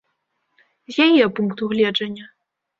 З яе пункту гледжання.